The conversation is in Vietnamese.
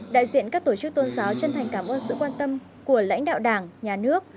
đại diện các tổ chức tôn giáo chân thành cảm ơn sự quan tâm của lãnh đạo đảng nhà nước